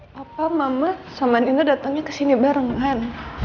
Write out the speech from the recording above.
papa mama sama ninda datangnya kesini barengan